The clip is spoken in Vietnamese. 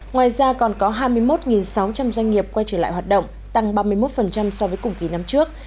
ngoài ra còn có hai mươi một sáu trăm linh doanh nghiệp quay trở lại hoạt động tăng ba mươi một so với cùng kỳ năm trước